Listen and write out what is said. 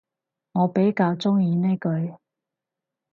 我比較鍾意呢句